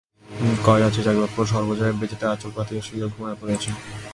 কয়রাত্রি জাগিবার পর সর্বজয়া মেজেতে আঁচল পাতিয়া শুইয়া ঘুমাইয়া পড়িয়াছে।